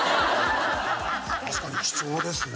確かに貴重ですね。